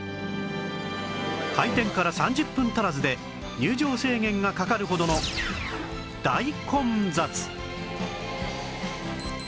開店から３０分足らずで入場制限がかかるほどの大混雑！